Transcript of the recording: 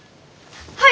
はい！